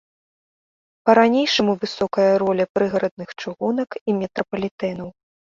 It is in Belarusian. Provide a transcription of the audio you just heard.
Па-ранейшаму высокая роля прыгарадных чыгунак і метрапалітэнаў.